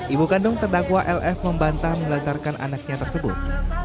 ibu kandung terdakwa lf membantah mengantarkan anaknya tersebut